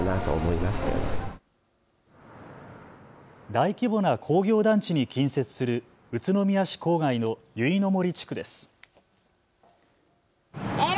大規模な工業団地に近接する宇都宮市郊外のゆいの杜地区です。